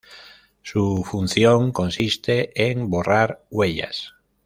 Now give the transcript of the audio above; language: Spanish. su función consiste en borrar huellas